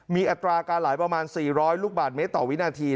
มีอัตราการไหลประมาณ๔๐๐ลูกบาทเมตรต่อวินาที